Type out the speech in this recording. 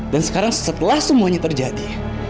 dan sekarang setelah semuanya terjadi